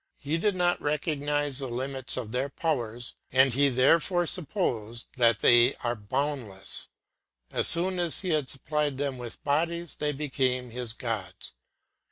He did not recognise the limits of their powers, and he therefore supposed that they were boundless; as soon as he had supplied them with bodies they became his gods.